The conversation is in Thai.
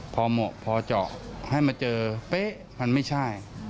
พอเหมาะพอเจาะให้มาเจอเป๊ะมันไม่ใช่